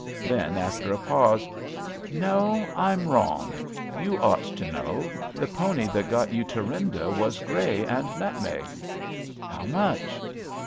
Then, after a pause: No, I'm wrong — ^you ought to know. The pony that got you Thurinda was grey and nut meg. '^^* How much?